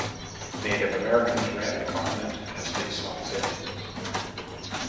Native Americans ran the continent as they saw fit.